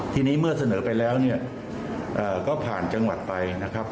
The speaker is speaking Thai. ทีนี้เมื่อเสนอไปแล้วเนี่ยก็ผ่านจังหวัดไปนะครับ